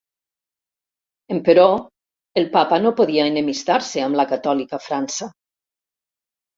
Emperò, el Papa no podia enemistar-se amb la catòlica França.